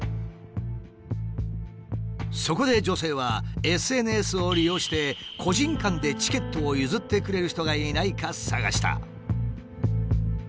そこで女性はＳＮＳを利用して個人間でチケットを譲ってくれる人がいないか探した。